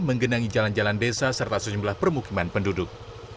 menggenangi jalan jalan desa serta sejumlah permukiman penduduk